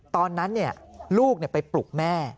ตอนนั้นลูกไปปลุกแม่